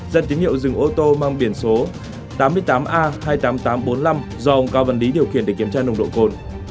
ra tín hiệu dừng ô tô mang biển số tám mươi tám a hai mươi tám nghìn tám trăm bốn mươi năm do ông cao văn lý điều khiển để kiểm tra nồng độ cồn